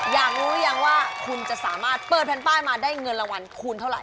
อยากรู้หรือยังว่าคุณจะสามารถเปิดแผ่นป้ายมาได้เงินรางวัลคูณเท่าไห